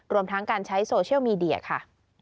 รวมทั้งการใช้โซเชียลมีเดียค่ะ